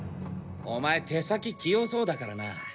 お前手先器用そうだからな。